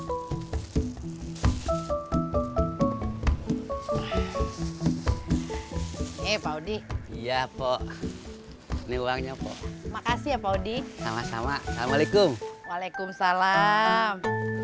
oke pak odi iya pak ini uangnya pak makasih ya pak odi sama sama assalamualaikum waalaikumsalam